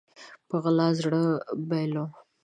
په غلا زړه بايلو